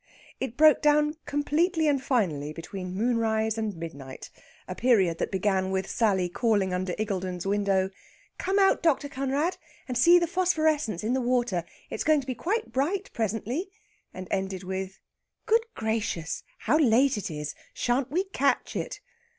It broke down completely and finally between moonrise and midnight a period that began with Sally calling under Iggulden's window, "Come out, Dr. Conrad, and see the phosphorescence in the water; it's going to be quite bright presently," and ended with, "Good gracious, how late it is! Shan't we catch it?"